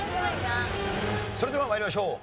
それでは参りましょう。